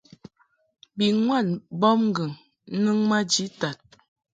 Bi ŋwad mbɔbŋgɨŋ nɨŋ maji tad.